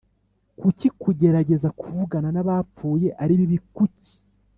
Kuki kugerageza kuvugana n abapfuye ari bibi kuki